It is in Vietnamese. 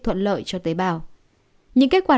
thuận lợi cho tế bào những kết quả